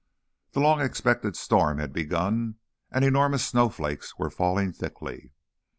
The long expected storm had begun, and enormous snowflakes were falling thickly.